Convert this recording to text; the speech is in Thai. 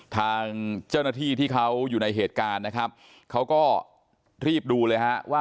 ทางเจ้าหน้าที่ที่เขาอยู่ในเหตุการณ์นะครับเขาก็รีบดูเลยฮะว่า